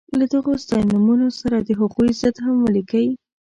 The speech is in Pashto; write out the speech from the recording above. له دغو ستاینومونو سره د هغوی ضد هم ولیکئ.